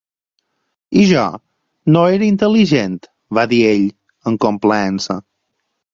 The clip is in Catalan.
"I jo, no era intel·ligent?", va dir ell, amb complaença.